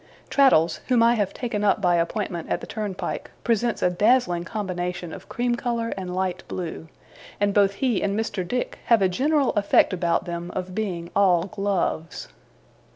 Traddles, whom I have taken up by appointment at the turnpike, presents a dazzling combination of cream colour and light blue; and both he and Mr. Dick have a general effect about them of being all gloves.